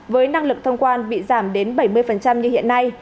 với năng lực thông quan bị giảm đến bảy mươi như hiện nay